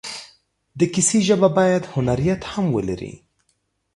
د کیسې ژبه باید هنریت هم ولري.